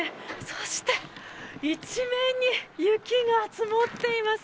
そして一面に雪が積もっています。